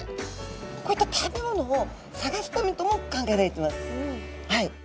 こういった食べ物を探すためとも考えられてます。